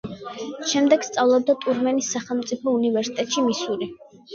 შემდეგ სწავლობდა ტრუმენის სახელმწიფო უნივერსიტეტში, მისური.